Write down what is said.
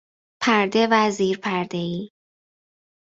پرده و زیر پرده ای